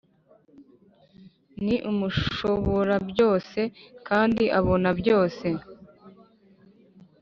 ni Umushoborabyose kandi abona byose